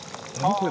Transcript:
これ！